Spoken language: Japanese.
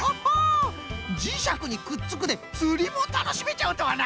「じしゃくにくっつく」でつりもたのしめちゃうとはな！